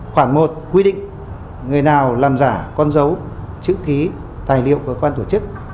khoảng một quy định người nào làm giả con dấu chữ ký tài liệu của cơ quan tổ chức